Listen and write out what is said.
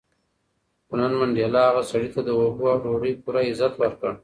خو نن منډېلا هغه سړي ته د اوبو او ډوډۍ پوره عزت ورکړ.